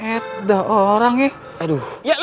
eda orang ya